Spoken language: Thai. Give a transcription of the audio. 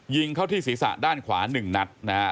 ยิงเข้าที่ศีรษะด้านขวา๑นัดนะฮะ